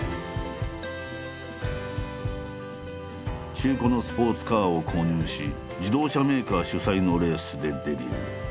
中古のスポーツカーを購入し自動車メーカー主催のレースでデビュー。